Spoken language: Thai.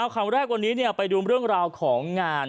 คำแรกวันนี้ไปดูเรื่องราวของงาน